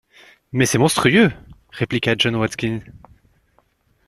Mais, c’est monstrueux!... répliqua John Watkins.